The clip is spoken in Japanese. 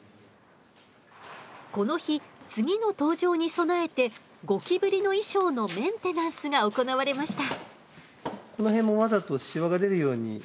この日次の登場に備えてゴキブリの衣装のメンテナンスが行われました。